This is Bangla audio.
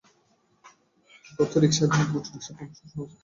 গর্তে রিকশা, ভ্যান, অটোরিকশা, টমটমসহ যানবাহনের চাকা আটকা পড়ে প্রায়ই ঘটে দুর্ঘটনা।